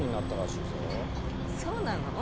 そうなの？